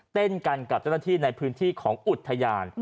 เต้นกันกับเจ้าหน้าที่ในพื้นที่ของอุทยาน